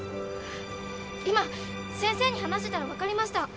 今先生に話してたら分かりました！